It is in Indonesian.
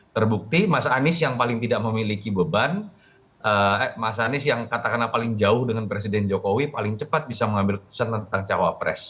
terbukti mas anies yang paling tidak memiliki beban mas anies yang katakanlah paling jauh dengan presiden jokowi paling cepat bisa mengambil keputusan tentang cawapres